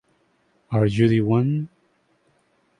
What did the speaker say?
Are You the One?